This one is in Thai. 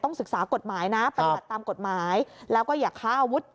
ต้องศึกษากฎหมายนะไปตามกฎหมายแล้วก็อย่าฆ่าอาวุธ